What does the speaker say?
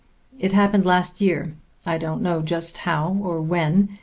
It happened last year. I don't know just how or when.